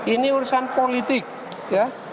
ini urusan politik ya